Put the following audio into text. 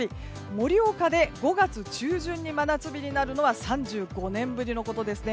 盛岡で５月中旬に真夏日になるのは３５年ぶりのことですね。